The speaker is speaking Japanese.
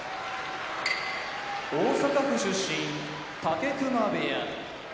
大阪府出身武隈部屋